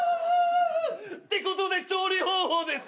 てことで調理方法ですが。